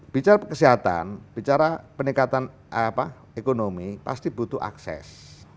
bicara kesehatan bicara peningkatan ekonomi pasti butuh akses